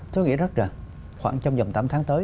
tôi nghĩ rất là khoảng trong vòng tám tháng tới